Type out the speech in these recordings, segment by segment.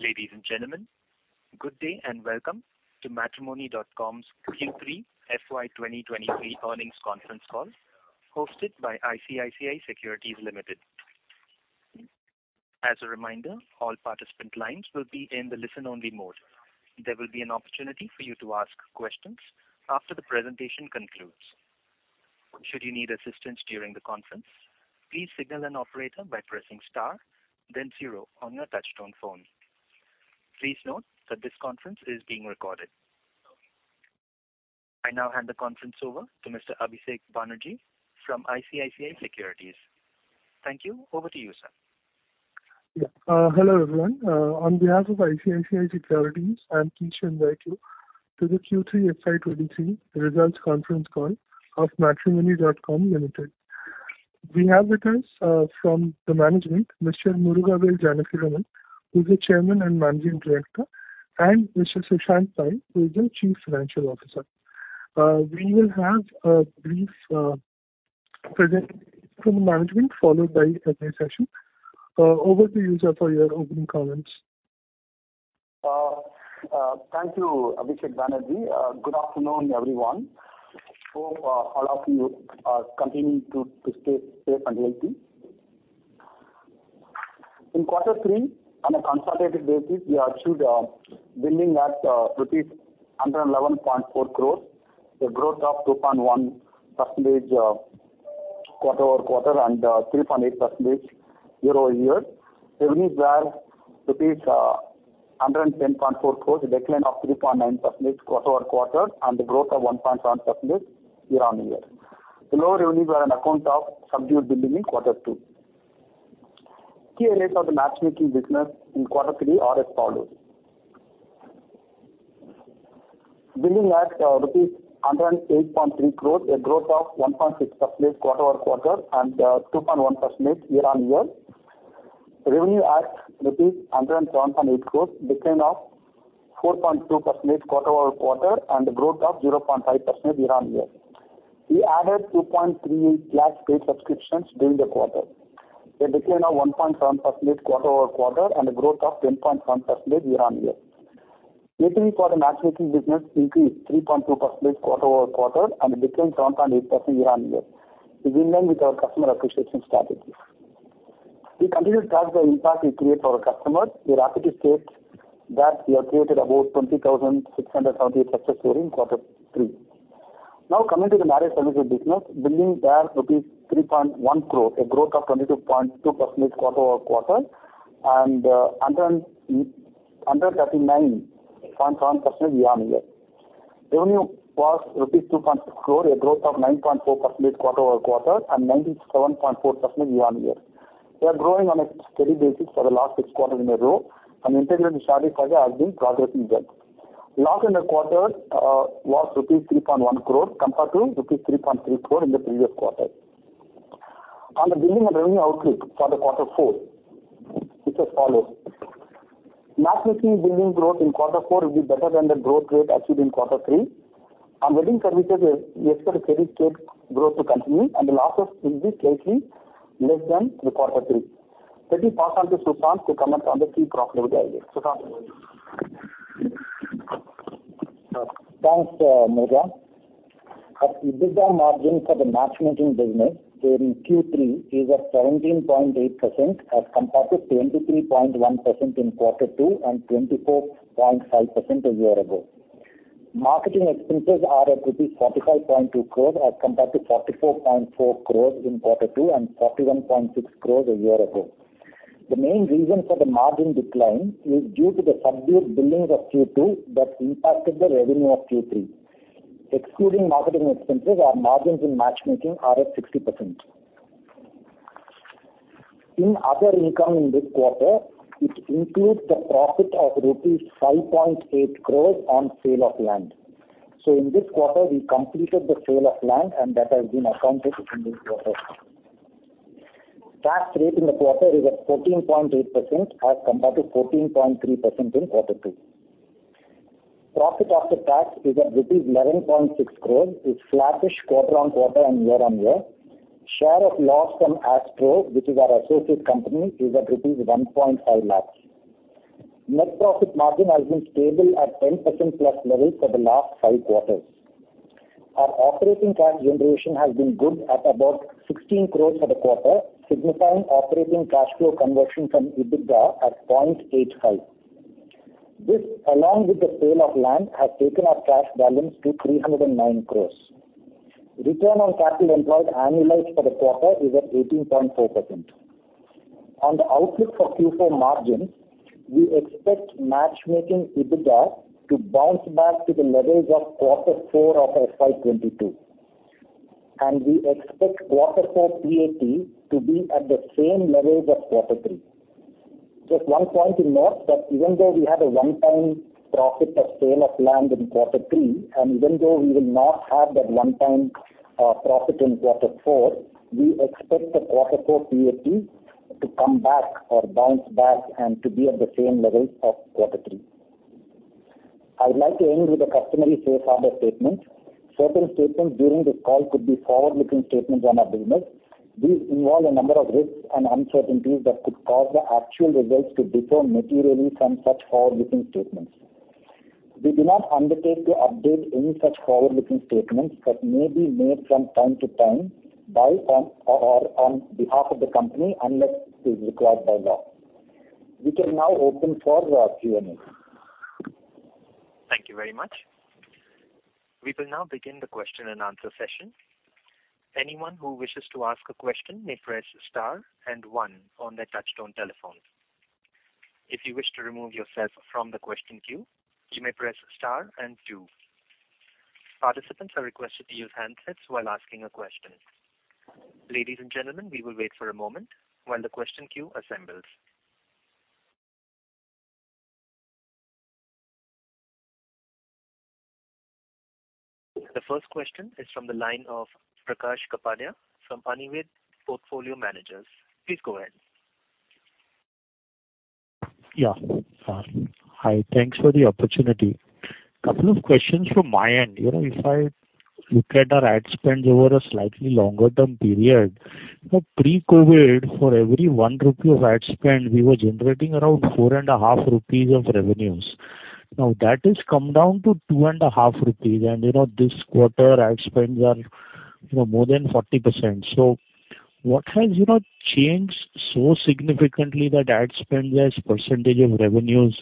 Ladies and gentlemen, good day and welcome to Matrimony.com's Q3 FY 2023 Earnings Conference Call hosted by ICICI Securities Limited. As a reminder, all participant lines will be in the listen-only mode. There will be an opportunity for you to ask questions after the presentation concludes. Should you need assistance during the conference, please signal an operator by pressing star then zero on your touch-tone phone. Please note that this conference is being recorded. I now hand the conference over to Mr. Abhisek Banerjee from ICICI Securities. Thank you. Over to you, sir. Yeah. Hello, everyone. On behalf of ICICI Securities, I am pleased to invite you to the Q3 FY 2023 results conference call of Matrimony.com Limited. We have with us from the management Mr. Murugavel Janakiraman, who's the chairman and managing director, and Mr. Sushanth Pai, who is the chief financial officer. We will have a brief presentation from management followed by a Q&A session. Over to you, sir, for your opening comments. Thank you, Abhisek Banerjee. Good afternoon, everyone. Hope, all of you are continuing to stay safe and healthy. In quarter three, on a consolidated basis, we achieved billing at rupees 111.4 crores, a growth of 2.1% quarter-over-quarter and 3.8% year-over-year. Revenues were rupees 110.4 crores, a decline of 3.9% quarter-over-quarter and a growth of 1.7% year-on-year. The lower revenues were on account of subdued billing in quarter two. Key highlights of the matchmaking business in quarter three are as follows. Billing at 108.3 crores rupees, a growth of 1.6% quarter-over-quarter and 2.1% year-on-year. Revenue at INR 107.8 crore, decline of 4.2% quarter-over-quarter and a growth of 0.5% year-on-year. We added 2.3 lakh paid subscriptions during the quarter, a decline of 1.7% quarter-over-quarter and a growth of 10.7% year-on-year. ATV for the matchmaking business increased 3.2% quarter-over-quarter and a decline 7.8% year-on-year. In line with our customer acquisition strategies. We continue to track the impact we create for our customers. We're happy to state that we have created about 20,678 success stories in quarter three. Coming to the marriage services business. Billings were rupees 3.1 crore, a growth of 22.2% quarter-over-quarter and 139.1% year-on-year. Revenue was rupees 2.6 crore, a growth of 9.4% quarter-over-quarter and 97.4% year-on-year. We are growing on a steady basis for the last six quarters in a row. Inter-industry share has been progressing well. Loss in the quarter was rupees 3.1 crore compared to rupees 3.3 crore in the previous quarter. On the billing and revenue outlook for quarter four, it's as follows. Matchmaking billing growth in quarter four will be better than the growth rate achieved in quarter three. On wedding services, we expect a steady state growth to continue, and the losses will be slightly less than the quarter three. Let me pass on to Sushanth to comment on the key profitability areas. Sushanth over to you. Thanks, Muruga. Our EBITDA margin for the matchmaking business during Q3 is at 17.8% as compared to 23.1% in quarter two and 24.5% a year ago. Marketing expenses are at INR 45.2 crores as compared to 44.4 crores in quarter two and 41.6 crores a year ago. The main reason for the margin decline is due to the subdued billings of Q2 that impacted the revenue of Q3. Excluding marketing expenses, our margins in matchmaking are at 60%. In other income in this quarter, it includes the profit of rupees 5.8 crores on sale of land. In this quarter, we completed the sale of land, and that has been accounted in this quarter. Tax rate in the quarter is at 14.8% as compared to 14.3% in quarter two. Profit after tax is at rupees 11.6 crores. It's flattish quarter-on-quarter and year-on-year. Share of loss from Astro, which is our associate company, is at rupees 1.5 lakhs. Net profit margin has been stable at 10%+ levels for the last five quarters. Our operating cash generation has been good at about 16 crores for the quarter, signifying operating cash flow conversion from EBITDA at 0.85. This, along with the sale of land, has taken our cash balance to 309 crore. Return on capital employed annualized for the quarter is at 18.4%. On the outlook for Q4 margins, we expect matchmaking EBITDA to bounce back to the levels of quarter four of FY 2022. We expect quarter four PAT to be at the same levels as quarter three. Just one point to note that even though we had a one-time profit of sale of land in quarter three, even though we will not have that one-time profit in quarter four, we expect the quarter four PAT to come back or bounce back and to be at the same levels of quarter three. I'd like to end with a customary safe harbor statement. Certain statements during this call could be forward-looking statements on our business. These involve a number of risks and uncertainties that could cause the actual results to differ materially from such forward-looking statements. We do not undertake to update any such forward-looking statements that may be made from time to time by or on behalf of the company, unless it is required by law. We can now open for the Q&A. Thank you very much. We will now begin the question-and-answer session. Anyone who wishes to ask a question may press star and one on their touch-tone telephone. If you wish to remove yourself from the question queue, you may press star and two. Participants are requested to use handsets while asking a question. Ladies and gentlemen, we will wait for a moment while the question queue assembles. The first question is from the line of Prakash Kapadia from Anived Portfolio Managers. Please go ahead. Hi, thanks for the opportunity. Couple of questions from my end. You know, if I look at our ad spend over a slightly longer term period, you know, pre-COVID, for every 1 rupee of ad spend, we were generating around 4.5 rupees of revenues. Now, that has come down to 2.5 rupees. This quarter ad spends are, you know, more than 40%. What has, you know, changed so significantly that ad spends as percentage of revenues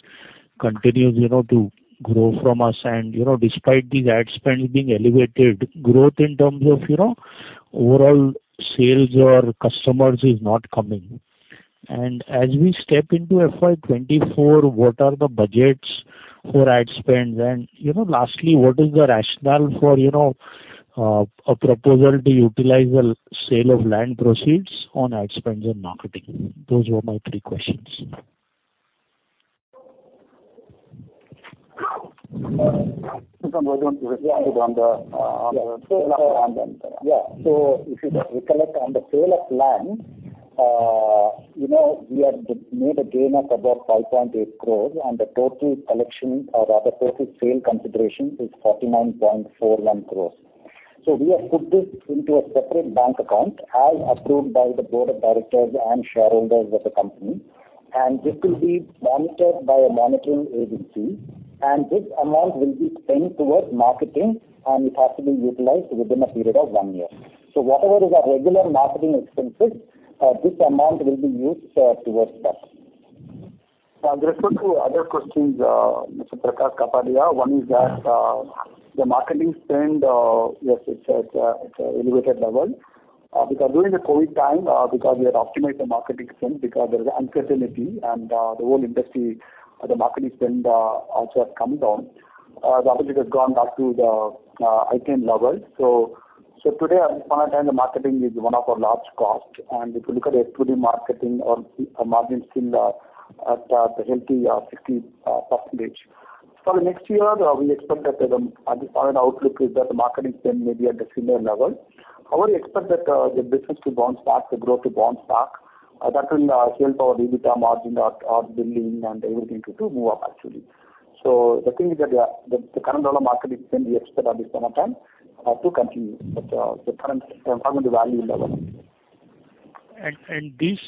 continues, you know, to grow from us? Despite these ad spends being elevated, growth in terms of, you know, overall sales or customers is not coming. As we step into FY 2024, what are the budgets for ad spends? You know, lastly, what is the rationale for, you know, a proposal to utilize the sale of land proceeds on ad spends and marketing? Those were my three questions. Sushanth, why don't you respond on the on the sale of land? Yeah. If you can recollect on the sale of land, you know, we have made a gain of about 5.8 crores, and the total collection or rather total sale consideration is 49.41 crores. We have put this into a separate bank account as approved by the board of directors and shareholders of the company, and this will be monitored by a monitoring agency, and this amount will be spent towards marketing, and it has to be utilized within a period of one year. Whatever is our regular marketing expenses, this amount will be used towards that. Now with respect to other questions, Mr. Prakash Kapadia, one is that the marketing spend, yes, it's at, it's at elevated level, because during the COVID time, because we had optimized the marketing spend because there was uncertainty and the whole industry, the marketing spend also had come down. Obviously it has gone back to the item levels. Today at this point of time, the marketing is one of our large cost. If you look it without marketing or margins in the healthy 60%. For the next year, we expect that at this point, our outlook is that the marketing spend may be at the similar level. However, we expect that the business to bounce back, the growth to bounce back. That will help our EBITDA margin or building and everything to move up actually. The thing is that, yeah, the current level of marketing spend we expect at this point of time, to continue with the current performance and value level. This,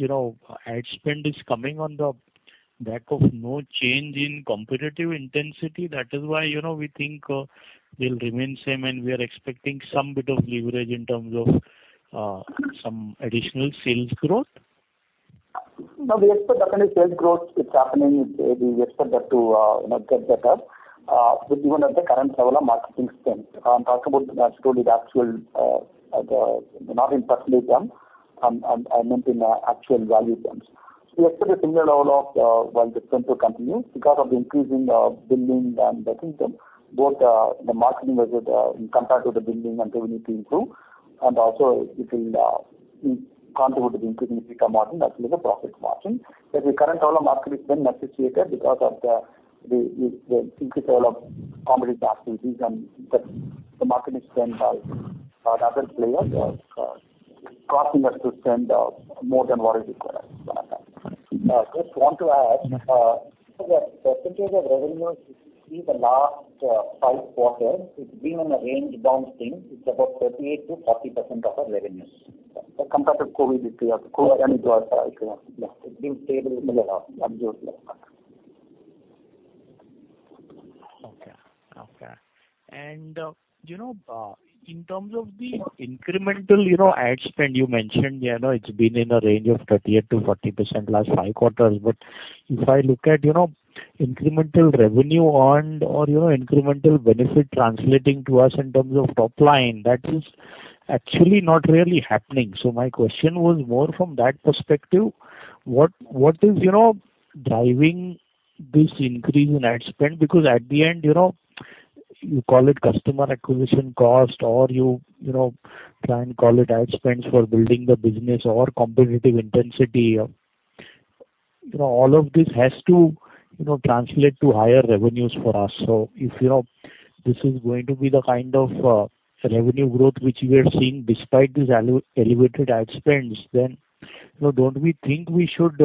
you know, ad spend is coming on the back of no change in competitive intensity. That is why, you know, we think they'll remain same, and we are expecting some bit of leverage in terms of some additional sales growth. No, we expect definitely sales growth. It's happening. We expect that to, you know, get better with even at the current level of marketing spend. I'm talking about actually the actual. Not in absolute terms, I meant in actual value terms. We expect a similar level of, well, the spend to continue because of the increase in billing and the system, both, the marketing result, in compared to the billing and revenue to improve and also it will contribute to the increase in EBITDA margin as well as the profit margin. The current level of marketing spend necessary because of the increase level of competitive activities and the marketing spend by the other players forcing us to spend more than what is required at this point of time. Just want to add, the percentage of revenue, if you see the last, five quarters, it's been in a range-bound thing. It's about 38%-40% of our revenues. Compared to COVID, it is COVID and it was, yeah, it's been stable in the last one year plus. Okay. Okay. You know, in terms of the incremental, you know, ad spend you mentioned, you know, it's been in a range of 38%-40% last five quarters. If I look at, you know, incremental revenue earned or, you know, incremental benefit translating to us in terms of top line, that is actually not really happening. My question was more from that perspective. What, what is, you know, driving this increase in ad spend? At the end, you know, you call it customer acquisition cost or you know, try and call it ad spends for building the business or competitive intensity. You know, all of this has to, you know, translate to higher revenues for us. If, you know, this is going to be the kind of revenue growth which we are seeing despite these elevated ad spends, then don't we think we should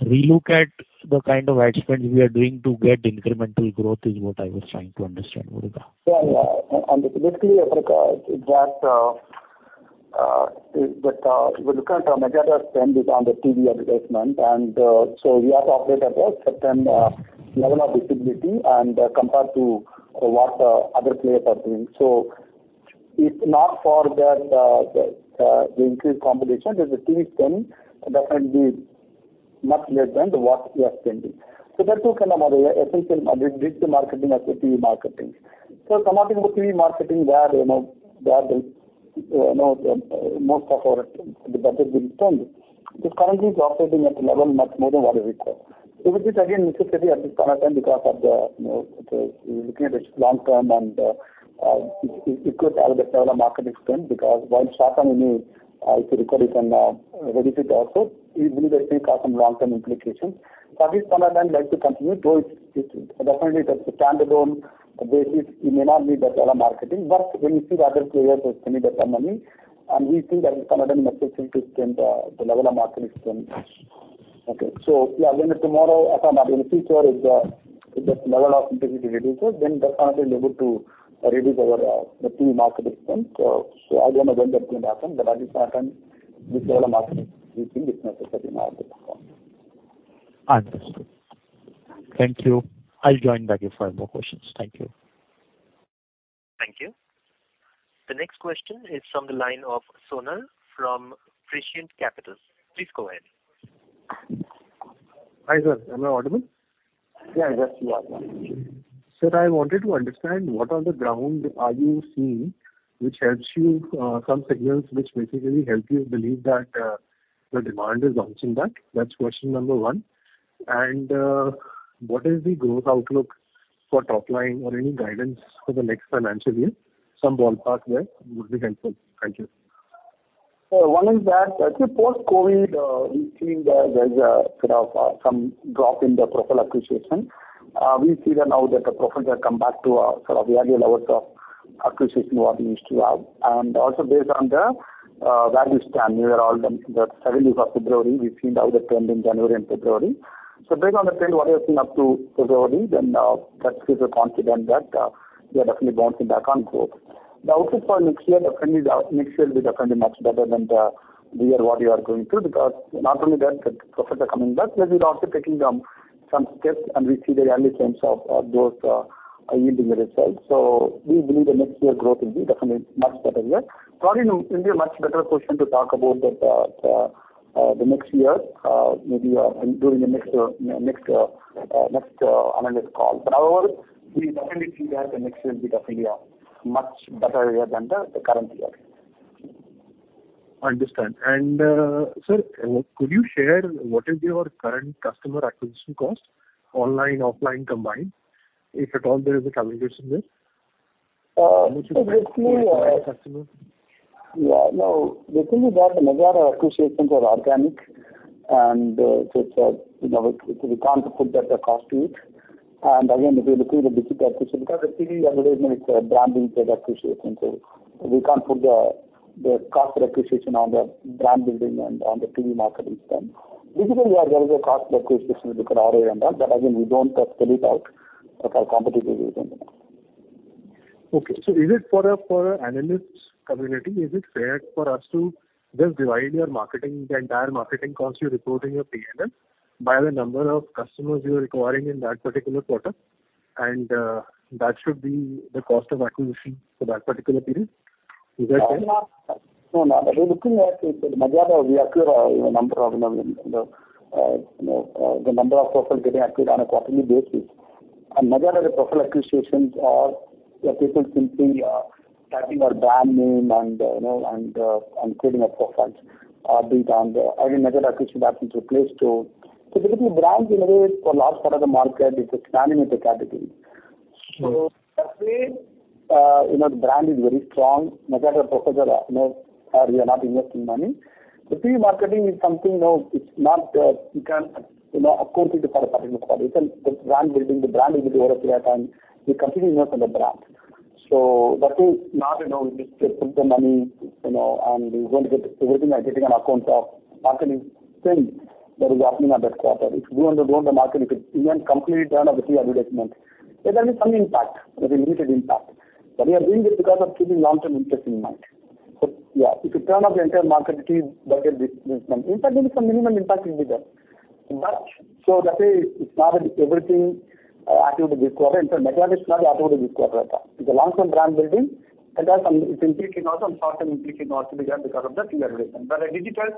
relook at the kind of ad spend we are doing to get incremental growth, is what I was trying to understand, Muruga? Yeah. Basically, I think that we're looking at our media spend is on the TV advertisement. So we have to operate at a certain level of visibility and compared to what other players are doing. If not for that, the increased competition, there's a TV spend that can be much less than what we are spending. There are two kind of model, efficient digital marketing versus TV marketing. Coming to TV marketing, where, you know, where there's, you know, most of our, the budget will spend. It currently is also being at a level much more than what is required. It was just again necessary at this point in time because of the, you know, we're looking at it long term and it's equal to our level of marketing spend, because while short-term, you need to record it and reduce it also, it will definitely cause some long-term implications. For this point in time like to continue, though it's definitely just a standalone basis, we may not need that level of marketing. When you see the other players are spending that kind of money, and we think that is sometime necessary to spend the level of marketing spend. Okay. Yeah, when tomorrow or in the future if the, if that level of intensity reduces, then that time we'll be able to reduce our the TV marketing spend. I don't know when that's gonna happen. At this point in time, this level of marketing, we think it's necessary in order to perform. Understood. Thank you. I'll join back if I have more questions. Thank you. Thank you. The next question is from the line of Sonal from Prescient Capital. Please go ahead. Hi, sir. Am I audible? Yeah, yes, you are. Sir, I wanted to understand what on the ground are you seeing which helps you, some signals which basically help you believe that, the demand is bouncing back? That's question number one. What is the growth outlook for top line or any guidance for the next financial year? Some ballpark there would be helpful. Thank you. One is that actually post-COVID, we've seen that there is a sort of some drop in the profile acquisition. We see that now that the profiles have come back to sort of the earlier levels of acquisition what we used to have. Based on the value spend, we are all done. The second week of February, we've seen how they trend in January and February. Based on the trend what we have seen up to February, then, that gives us confidence that we are definitely bouncing back on growth. The outlook for next year definitely the next year will be definitely much better than the year what we are going through, because not only that the profiles are coming back, but we're also taking some steps, and we see the early signs of those yielding the results. We believe the next year growth will be definitely much better year. Probably it will be a much better question to talk about the next year, maybe during the next analyst call. However, we definitely feel that the next year will definitely a much better year than the current year. Understand. Sir, could you share what is your current customer acquisition cost online, offline combined, if at all there is a combination there? Basically, Yeah. No. The thing is that the majority acquisitions are organic, and, you know, we can't put that cost to it. Again, if you're looking at the digital acquisition, because the TV advertisement is a brand-building type acquisition, so we can't put the cost of acquisition on the brand building and on the TV marketing spend. Digital, yeah, there is a cost per acquisition if you look at ROI and all, but again, we don't spell it out for competitive reasons. Okay. Is it for an analyst community, is it fair for us to just divide your marketing, the entire marketing costs you're reporting your P&L by the number of customers you're acquiring in that particular quarter? That should be the cost of acquisition for that particular period. Is that fair? No. No. If you're looking at, if at majority we acquire a number of, you know, the number of profiles getting acquired on a quarterly basis. Majority, the profile acquisitions are the people simply typing our brand name and, you know, and creating a profile, be it on the. Again, majority acquisition happens through Play Store. Basically, brand in a way for large part of the market is expanding with the category. Mm-hmm. That way, you know, the brand is very strong. majority profiles are, you know, we are not investing money. The TV marketing is something, you know, it's not, you can, you know, accord it for a particular quarter. The brand building over a period of time, we continuously work on the brand. That is not, you know, you just put the money, you know, and you're going to get a return or getting a return of marketing spend that is happening at that quarter. If you want to go on the market, if you even completely turn off the TV advertisement, there will be some impact, there'll be limited impact. We are doing this because of keeping long-term interest in mind. Yeah, if you turn off the entire market, TV budget this month, impact will be some minimum impact will be there. That way it's not that everything attributed this quarter. In fact, majority is not attributed this quarter at all. It's a long-term brand building, and it's impacting also on short-term, impacting also because of the TV advertisement. At digital,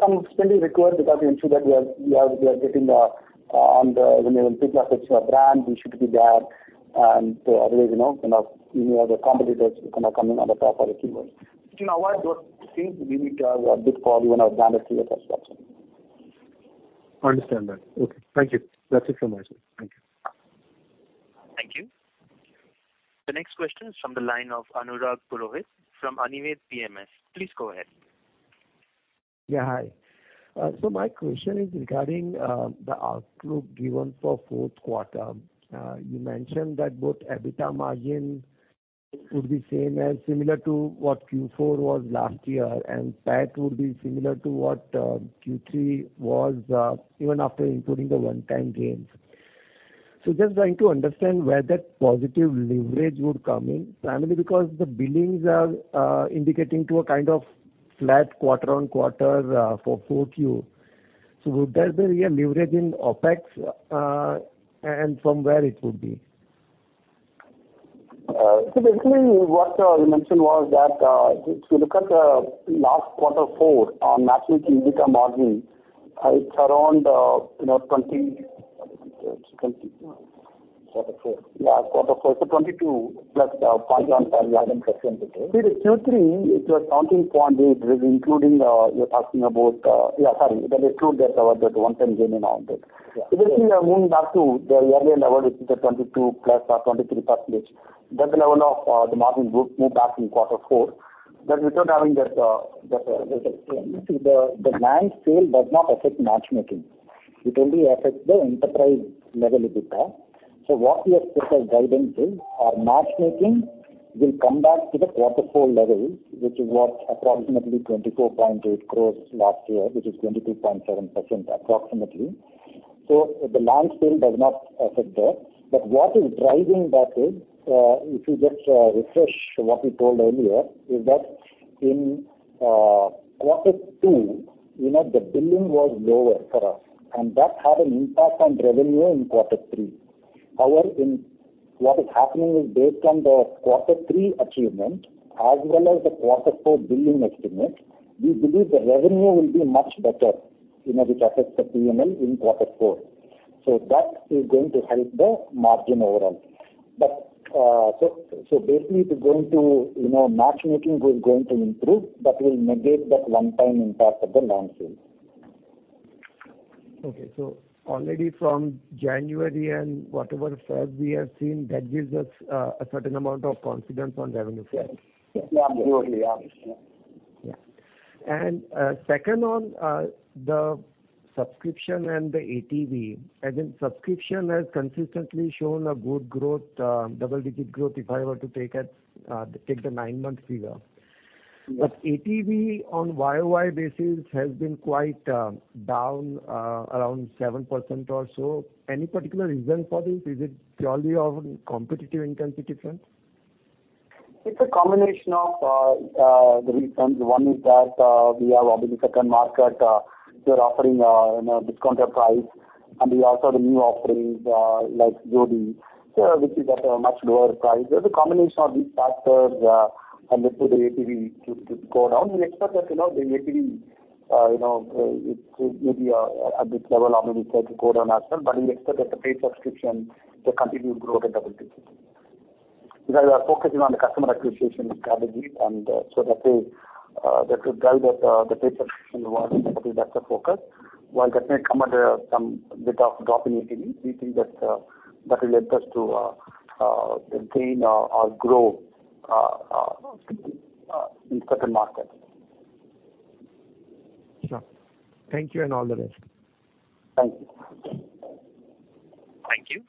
some spending required because we ensure that we are getting the, on the, you know, when people are searching our brand, we should be there. Otherwise, you know, kind of any other competitors kind of coming on the top of the keywords. To avoid those things, we need to have a bid for, you know, brand awareness as such. Understand that. Okay. Thank you. That's it from my side. Thank you. Thank you. The next question is from the line of Anurag Purohit from Anived PMS. Please go ahead. Yeah. Hi. My question is regarding the outlook given for fourth quarter. You mentioned that both EBITDA margin would be same as similar to what Q4 was last year, and PAT would be similar to what Q3 was even after including the one-time gains. Just trying to understand where that positive leverage would come in, primarily because the billings are indicating to a kind of flat quarter-on-quarter for 4Q. Would there be a leverage in OpEx and from where it would be? Basically what you mentioned was that if you look at last quarter four on matchmaking EBITDA margin, it's around, you know. Quarter four. Yeah, quarter four. 22+ percent. 7%. See the Q3, it was 17.8, which including, you're talking about. Yeah, sorry. That include that one-time gain and all that. Yeah. Basically, we are moving back to the earlier level, which is the 22+ or 23%. That's the level the margin would move back in quarter four. Without having that, The land sale does not affect matchmaking. It only affects the enterprise level EBITDA. What we have set as guidance is our matchmaking will come back to the quarter four level, which was approximately 24.8 crores last year, which is 22.7% approximately. The land sale does not affect that. What is driving that is, if you just refresh what we told earlier, is that in quarter two, you know, the billing was lower for us, and that had an impact on revenue in quarter three. What is happening is based on the quarter three achievement as well as the quarter four billing estimate, we believe the revenue will be much better, you know, which affects the P&L in quarter four. That is going to help the margin overall. Basically, you know, matchmaking is going to improve. That will negate that one-time impact of the land sale. Okay. Already from January and whatever sales we have seen, that gives us a certain amount of confidence on revenue side. Yes. Absolutely, yeah. Yeah. Second on the subscription and the ATV. Again, subscription has consistently shown a good growth, double-digit growth if I were to take it, take the nine-month figure. ATV on YOY basis has been quite down, around 7% or so. Any particular reason for this? Is it purely of competitive intensity difference? It's a combination of the reasons. One is that, we have obviously second market, they're offering a, you know, discounted price, we also have the new offerings, like Jodii, which is at a much lower price. There's a combination of these factors, that put the ATV to go down. We expect that, you know, the ATV, you know, it will be at this level or maybe start to go down as well, but we expect that the paid subscription to continue to grow at a double digits. We are focusing on the customer acquisition strategy and, so that will drive that, the paid subscription volume. That is also focus. While that may come at, some bit of drop in ATV, we think that will help us to, gain or grow, in certain markets. Sure. Thank you, and all the best. Thank you. Thank you.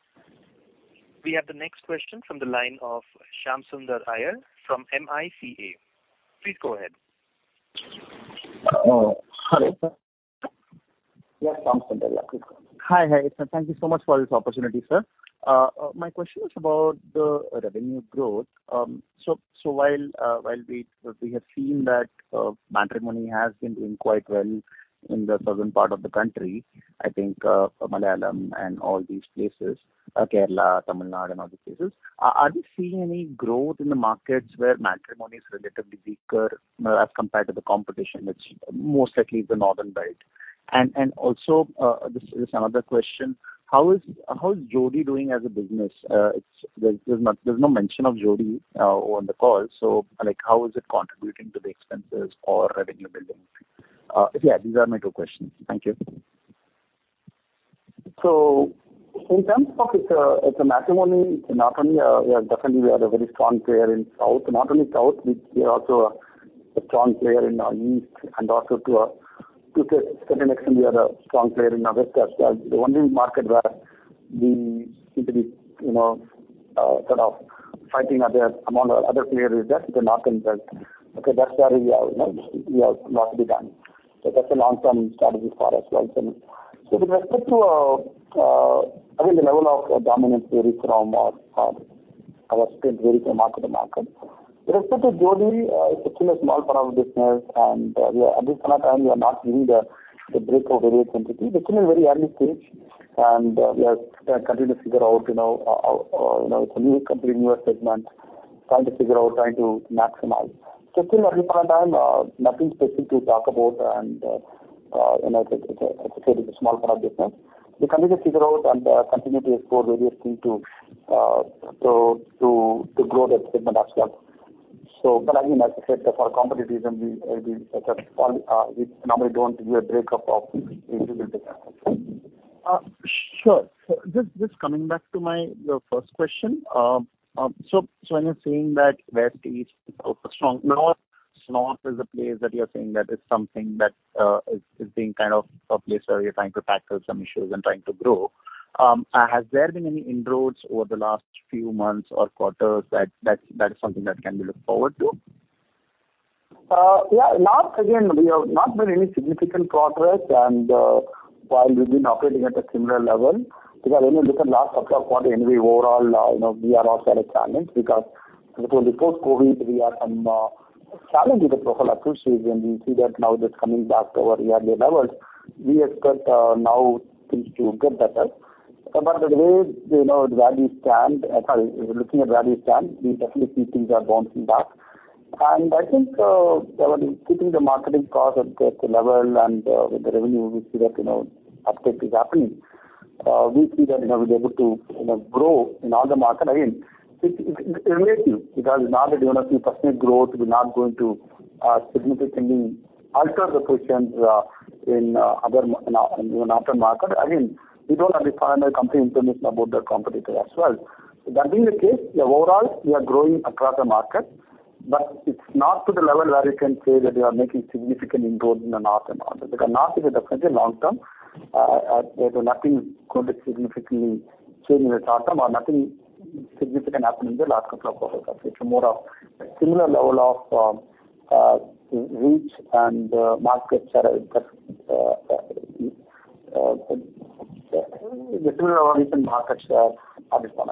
We have the next question from the line of Shyamsunder Iyer from MICA. Please go ahead. Hi. Yes, Shyamsunder. Please go ahead. Hi. Hi. Thank you so much for this opportunity, sir. My question is about the revenue growth. So while we have seen that Matrimony has been doing quite well in the southern part of the country, I think Malayalam and all these places, Kerala, Tamil Nadu and all these places. Are you seeing any growth in the markets where Matrimony is relatively weaker as compared to the competition, which most likely is the northern belt? Also, this is another question. How is Jodii doing as a business? There's no mention of Jodii on the call. Like, how is it contributing to the expenses or revenue building? These are my two questions. Thank you. In terms of. So Matrimony. It's not only, we are definitely we are a very strong player in South. Not only South, we are also a strong player in East and also to a certain extent we are a strong player in the West as well. The only market where we seem to be, you know, sort of fighting out there among the other players is that the northern belt. That's where we are, you know, not really done. That's a long-term strategy for us as well. With respect to, I mean, the level of dominance varies from or our strength varies from market to market. With respect to Jodii, it's still a small part of the business. We are at this point of time, we are not giving the breakup of various entities. We're still in very early stage, we are continuing to figure out, you know, you know, it's a new, completely newer segment, trying to figure out, trying to maximize. Still at this point of time, nothing specific to talk about. You know, it's a small part of business. We're continuing to figure out and continue to explore various thing to grow that segment as well. But I mean, as I said, for competitive reason, we sort of, we normally don't give a breakup of individual data. Sure. Just coming back to my first question. When you're saying that West, East are strong-North is a place that you're saying that is something that is being kind of a place where you're trying to tackle some issues and trying to grow. Has there been any inroads over the last few months or quarters that is something that can be looked forward to? Yeah. North, again, we have not been any significant progress and while we've been operating at a similar level, because anyway, look at last quarter anyway, overall, you know, we are also at a challenge because post COVID, we had some challenge with the profile acquisition. We see that now just coming back to our earlier levels. We expect now things to get better. The way, you know, the value stand, looking at value stand, we definitely see things are bouncing back. I think, keeping the marketing cost at a level and with the revenue, we see that, you know, uptake is happening. We see that, you know, we're able to, you know, grow in all the market. Again, it's relative because it's not that you're going to see percent growth. We're not going to significantly alter the presence in other after market. We don't have the primary company information about the competitor as well. Overall, we are growing across the market, but it's not to the level where you can say that we are making significant inroads in the north and all that. North is definitely long term, so nothing's going to significantly change in the short term or nothing significant happen in the last couple of quarters. It's more of a similar level of reach and market share that similar recent market share at this point in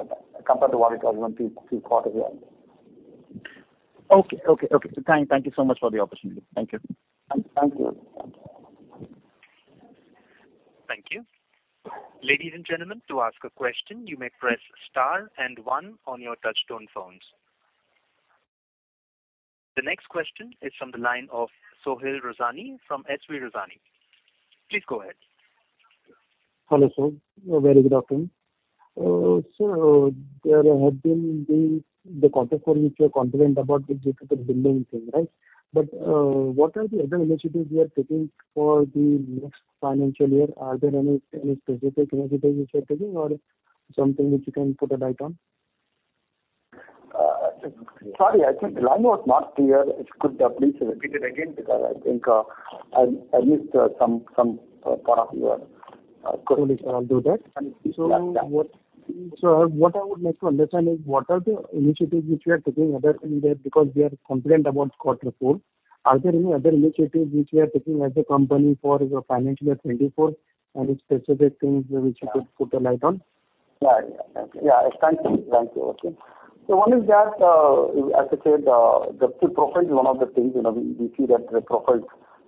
time compared to what it was one, two, three quarter earlier. Okay. Okay. Okay. Thank you so much for the opportunity. Thank you. Thank you. Thank you. Ladies and gentlemen, to ask a question, you may press star and one on your touch-tone phones. The next question is from the line of Sohil Rozani from SV Rozani. Please go ahead. Hello, sir. A very good afternoon. There have been the contact form which you are confident about the digital building thing, right? What are the other initiatives you are taking for the next financial year? Are there any specific initiatives you are taking or something which you can put a light on? Sorry, I think the line was not clear. If you could, please repeat it again because I think, I missed some part of your question. Sure. I'll do that. Yeah. What I would like to understand is what are the initiatives which you are taking other than that because we are confident about quarter four. Are there any other initiatives which you are taking as a company for your financial year 2024? Any specific things which you could put a light on? Yeah. Yeah. Thank you. Thank you. Okay. One is that, as I said, the full profile is one of the things. You know, we see that the profiles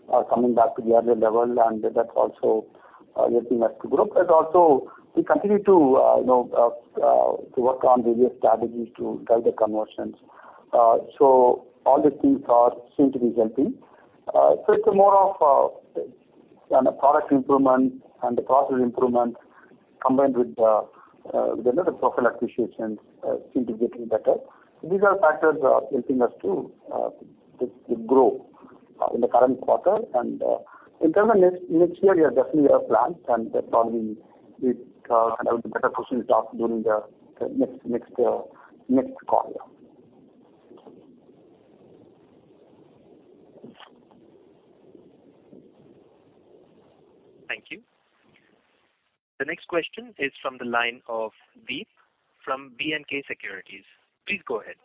are coming back to the earlier level, and that's also helping us to grow. Also we continue to, you know, to work on various strategies to drive the conversions. All these things are seem to be helping. It's more of on a product improvement and the process improvement combined with the with another profile associations, seem to be getting better. These are factors, helping us to grow in the current quarter. In terms of next year, we definitely have plans and probably it kind of be better positioned to talk during the next call year. Thank you. The next question is from the line of Deep from B&K Securities. Please go ahead.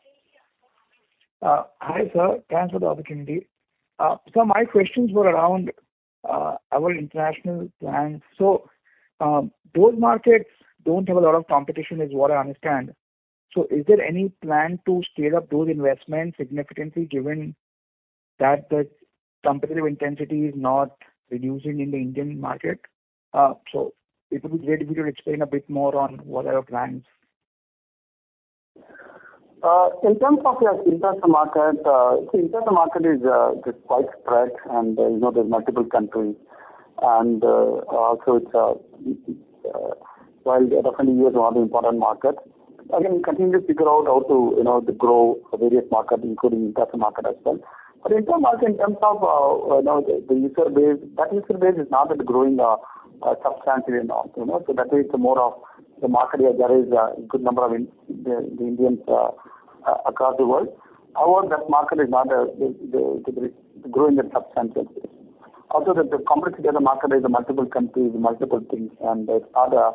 Hi, sir. Thanks for the opportunity. My questions were around our international plans. Those markets don't have a lot of competition is what I understand. Is there any plan to scale up those investments significantly given that the competitive intensity is not reducing in the Indian market? It would be great if you could explain a bit more on what are your plans. In terms of your international market, international market is quite spread and, you know, there's multiple countries. It's while definitely U.S. is one of the important market, again, we continue to figure out how to, you know, to grow various markets, including international market as well. International market in terms of, you know, the user base, that user base is not that growing substantially at all. That way it's more of the market where there is a good number of Indians across the world. However, that market is not growing at substantial pace. Also the complexity of the market is multiple countries, multiple things, and it's not a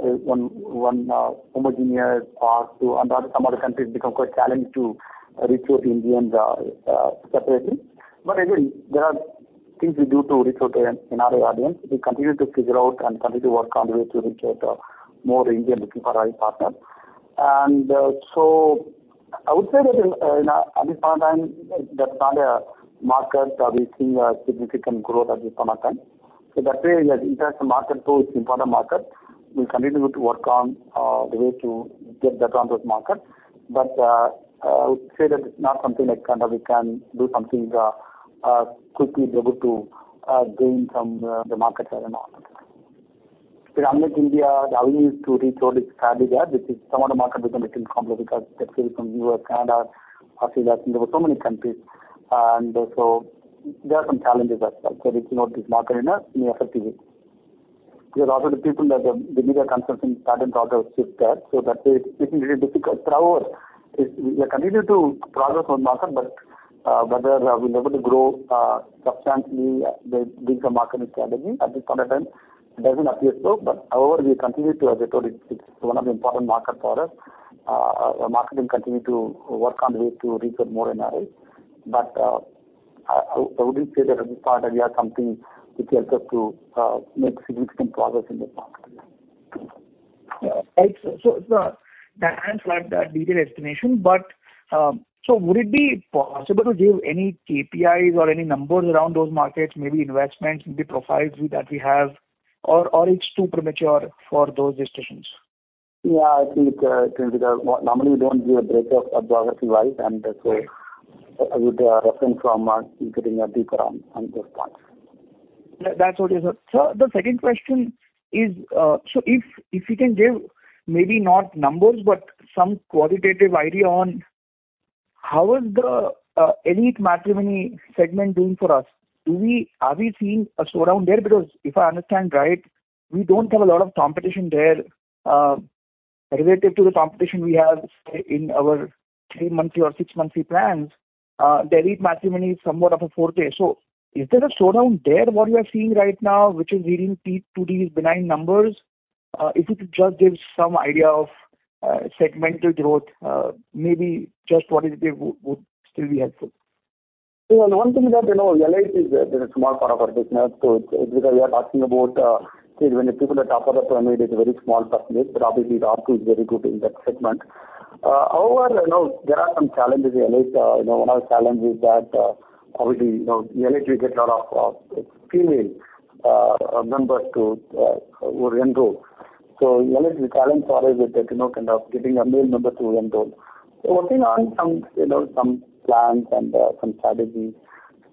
one homogeneous part to. Some other countries become quite challenging to reach out Indians separately. Again, there are things we do to reach out to another audience. We continue to figure out and continue to work on ways to reach out more Indian looking for right partner. I would say that in a, at this point in time, that's not a market that we're seeing a significant growth at this point in time. That way international market too is important market. We'll continue to work on the way to get better on those markets. I would say that it's not something that kind of we can do something quickly be able to gain some the market share and all. Within India, the audience to reach out is fairly there, which is some of the market become a little complex because let's say from U.S., Canada, Australia, I think there were so many countries. There are some challenges as well to reach out this market in a effective way. There are also the people that the media consulting pattern brought us with that, so that it's really difficult. We are continuing to progress on market, but whether we're able to grow substantially with the market strategy at this point of time, it doesn't appear so. However, we continue to, as I told you, it's one of the important market for us. Our marketing continue to work on ways to reach out more in that area. I wouldn't say that at this point that we have something which helps us to make significant progress in this market. Thanks for that detailed explanation. Would it be possible to give any KPIs or any numbers around those markets, maybe investments in the profiles that we have, or it's too premature for those discussions? I think, normally we don't give a breakup geography-wise, and so I would reference from including a deeper on those parts. That's what it is. The second question is, if you can give maybe not numbers, but some qualitative idea on how is the Elite Matrimony segment doing for us? Are we seeing a slowdown there? If I understand right, we don't have a lot of competition there, relative to the competition we have in our three-monthly or six-monthly plans, Elite Matrimony is somewhat of a forte. Is there a slowdown there, what you are seeing right now, which is leading to these benign numbers? If you could just give some idea of segmental growth, maybe just qualitative would still be helpful. One thing that, you know, Elite is a small part of our business, so because we are talking about, when the people at top of the pyramid is a very small percentage, but obviously ARPU is very good in that segment. However, you know, there are some challenges in Elite. You know, one of the challenge is that, obviously, you know, Elite, we get a lot of, female, members to, who enroll. Elite, the challenge for us is that, you know, kind of getting a male member to enroll. We're working on some, you know, some plans and, some strategies.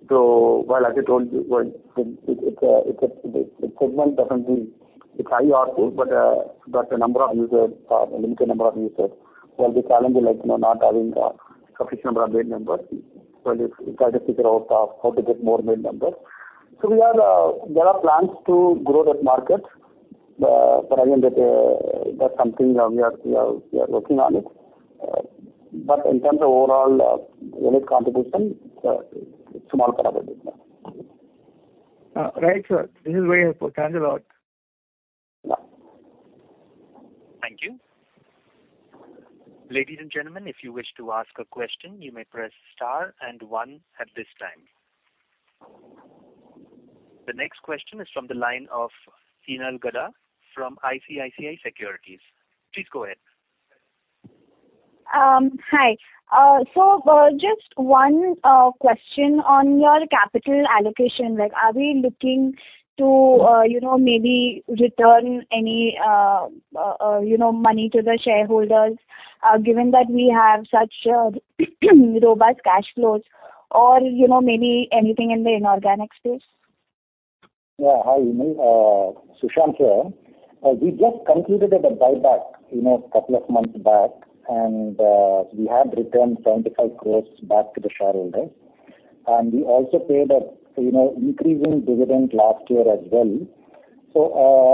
While, as I told you, the segment doesn't need... It's high ARPU, but a number of users, a limited number of users. The challenge is like, you know, not having a sufficient number of male members. We try to figure out how to get more male members. We are there are plans to grow that market. Again, that's something we are working on it. In terms of overall Elite contribution, it's a small part of the business. Right, sir. This is very helpful. Thanks a lot. Yeah. Thank you. Ladies and gentlemen, if you wish to ask a question, you may press star and one at this time. The next question is from the line of Heenal Gada from ICICI Securities. Please go ahead. Hi. So, just one question on your capital allocation. Like, are we looking to, you know, maybe return any, you know, money to the shareholders, given that we have such robust cash flows or, you know, maybe anything in the inorganic space? Hi, Heenal. Sushanth here. We just concluded with a buyback, you know, couple of months back, we have returned 75 crores back to the shareholders. We also paid a, you know, increase in dividend last year as well.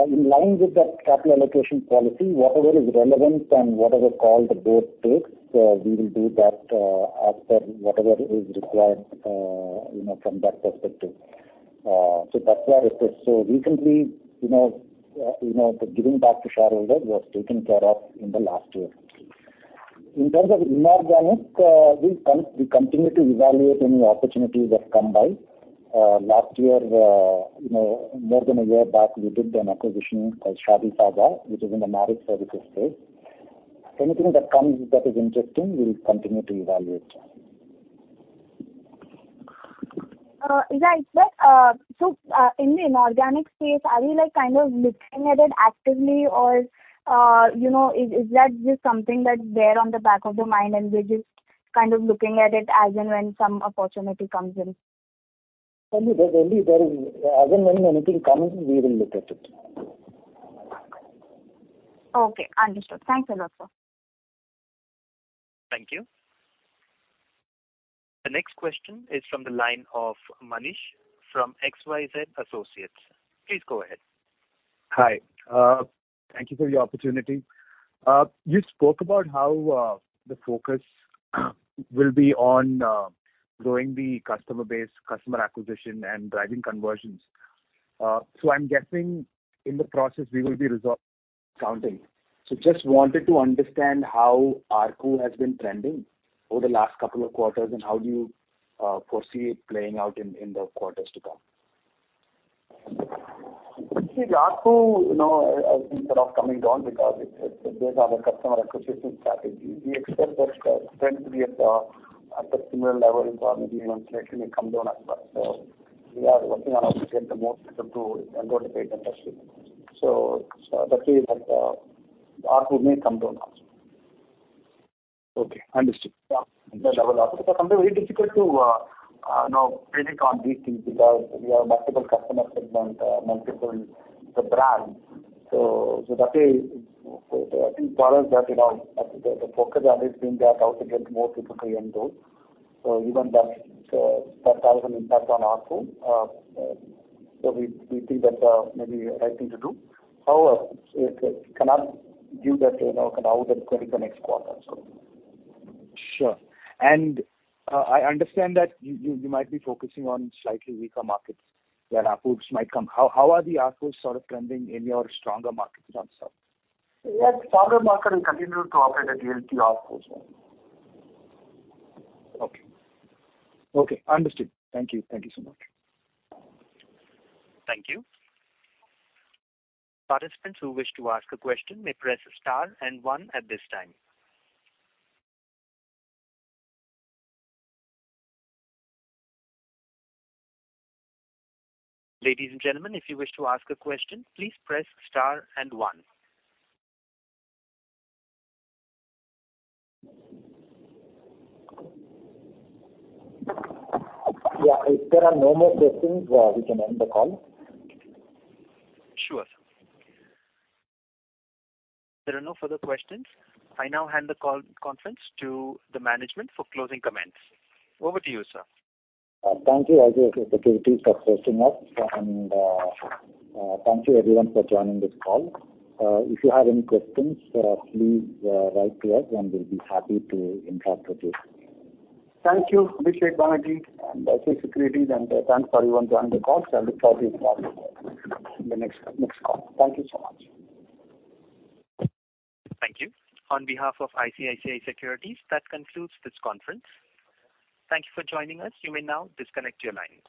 In line with that capital allocation policy, whatever is relevant and whatever call the board takes, we will do that as per whatever is required, you know, from that perspective. That's why I said so recently, you know, the giving back to shareholders was taken care of in the last year. In terms of inorganic, we continue to evaluate any opportunities that come by. Last year, you know, more than a year back, we did an acquisition called ShaadiSaga, which is in the marriage services space. Anything that comes that is interesting, we'll continue to evaluate. Right. In the inorganic space, are we, like, kind of looking at it actively or, you know, is that just something that's there on the back of the mind and we're just kind of looking at it as and when some opportunity comes in? Only there is. As and when anything comes, we will look at it. Okay, understood. Thanks a lot, sir. Thank you. The next question is from the line of Manish from XYZ Associates. Please go ahead. Hi. Thank you for the opportunity. You spoke about how the focus will be on growing the customer base, customer acquisition and driving conversions. I'm guessing in the process, we will be resort counting. Just wanted to understand how ARPU has been trending over the last couple of quarters, and how do you foresee it playing out in the quarters to come? ARPU, you know, I think sort of coming down because it's based on the customer acquisition strategy. We expect that trend to be at a similar level or maybe slightly come down as well. We are working on how to get the more people to go to paid membership. That way that, ARPU may come down also. Okay, understood. Yeah. Very difficult to, you know, predict on these things because we have multiple customer segment, multiple the brand. That way, I think for us that, you know, the focus always being there how to get more people to enroll. Even that has an impact on ARPU. We think that, maybe right thing to do. However, it cannot give that, you know, kind of how that going in the next quarter. Sure. I understand that you might be focusing on slightly weaker markets where ARPUs might come. How are the ARPUs sort of trending in your stronger markets themselves? Yes, stronger market will continue to operate at higher ARPU as well. Okay. Okay, understood. Thank you. Thank you so much. Thank you. Participants who wish to ask a question may press star and one at this time. Ladies and gentlemen, if you wish to ask a question, please press star and one. Yeah, if there are no more questions, we can end the call. Sure, sir. There are no further questions. I now hand the call conference to the management for closing comments. Over to you, sir. Thank you, ICICI Securities, for hosting us. Thank you everyone for joining this call. If you have any questions, please write to us. We'll be happy to interact with you. Thank you, Abhisek Banerjee and ICICI Securities. Thanks for everyone joining the call. I look forward to having you in the next call. Thank you so much. Thank you. On behalf of ICICI Securities, that concludes this conference. Thank you for joining us. You may now disconnect your lines.